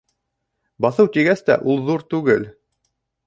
«Баҫыу» тигәс тә, ул ҙур түгел.